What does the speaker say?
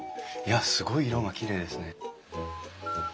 いやすごい色がきれいですね。